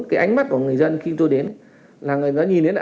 cái ánh mắt của người dân khi tôi đến là người đó nhìn đến là